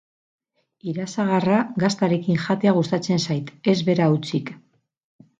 Irasagarra gaztarekin jatea gustatzen zait, ez bera hutsik.